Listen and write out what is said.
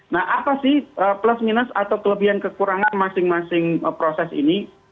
nah apa sih plus minus atau kelebihan kekurangan masing masing proses ini